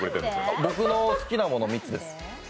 僕の好きなもの３つです。